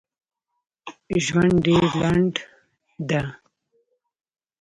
ژوند ډېر لنډ ده